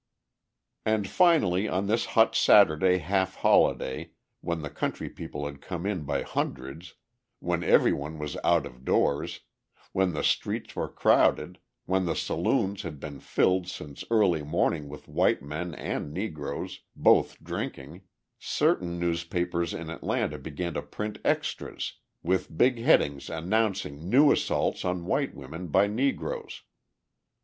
And finally on this hot Saturday half holiday, when the country people had come in by hundreds, when everyone was out of doors, when the streets were crowded, when the saloons had been filled since early morning with white men and Negroes, both drinking certain newspapers in Atlanta began to print extras with big headings announcing new assaults on white women by Negroes.